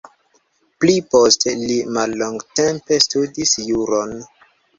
Pli poste li mallongtempe studis juron.